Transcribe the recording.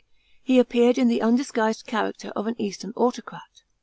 He appeared in the undisguised character of an eastern autocrat.